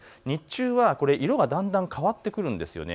日中は色ががだんだん変わってくるんです。